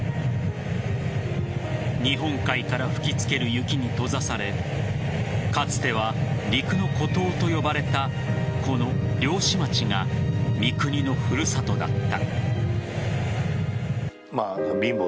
日本海から吹き付ける雪に閉ざされかつては陸の孤島と呼ばれたこの漁師町が三國の古里だった。